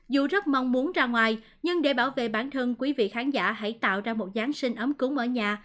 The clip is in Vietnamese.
dù rất mong muốn ra ngoài nhưng để bảo vệ bản thân quý vị khán giả hãy tạo ra một giáng sinh ấm cúng ở nhà